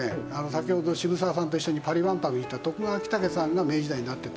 先ほど渋沢さんと一緒にパリ万博に行った徳川昭武さんが明治時代になって建てたお屋敷。